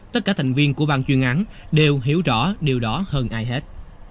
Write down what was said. tất cả thành viên của bang chuyên án đều hiểu rõ điều đó hơn ai hết